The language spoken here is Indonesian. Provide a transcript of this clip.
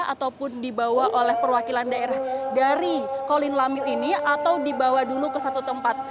ataupun dibawa oleh perwakilan daerah dari kolin lamil ini atau dibawa dulu ke satu tempat